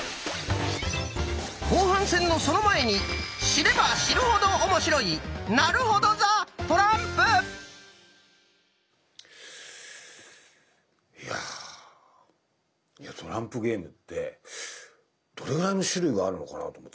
後半戦のその前に知れば知るほど面白いいやトランプゲームってどれぐらいの種類があるのかなと思ってさ。